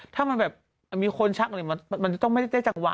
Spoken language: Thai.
ถ้ามันแบบมีคนชักอะไรมันจะต้องไม่ได้จังหวะ